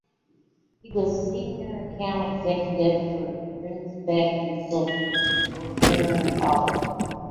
He was a Senior Account Executive for Grinspec Consulting before entering politics.